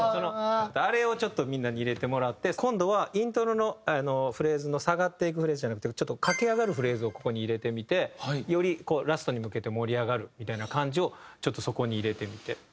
あれをちょっとみんなに入れてもらって今度はイントロのフレーズの下がっていくフレーズじゃなくてちょっと駆け上がるフレーズをここに入れてみてよりラストに向けて盛り上がるみたいな感じをちょっとそこに入れてみて。